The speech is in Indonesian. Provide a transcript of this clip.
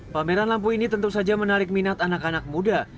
pameran lampu ini tentu saja menarik minat anak anak muda